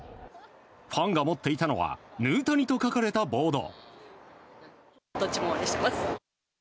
ファンが持っていたのはヌータニと書かれたボード。